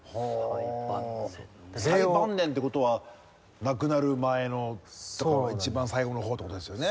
最晩年っていう事は亡くなる前のとか一番最後の方って事ですよね？